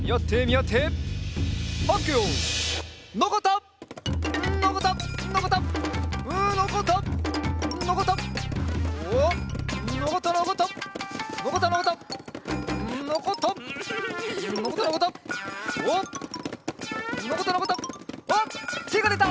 あってがでた！